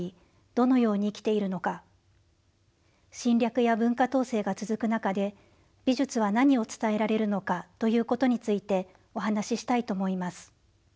どのように生きているのか侵略や文化統制が続く中で美術は何を伝えられるのかということについてお話ししたいと思います。